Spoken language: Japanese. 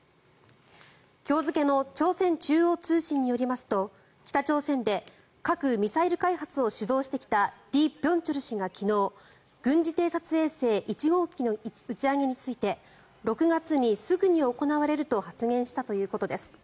今日付の朝鮮中央通信によりますと北朝鮮で核・ミサイル開発を主導してきたリ・ビョンチョル氏が昨日軍事偵察衛星１号機の打ち上げについて６月にすぐに行われると発言したということです。